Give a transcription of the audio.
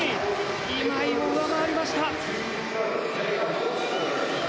今井を上回りました。